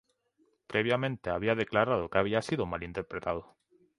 Previamente, había declarado que había sido malinterpretado.